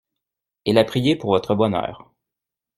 Elle a prié pour votre bonheur.